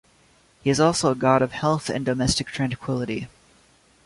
He is also a god of health and domestic tranquility.